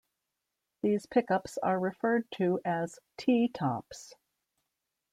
These pickups are referred to as "T-tops".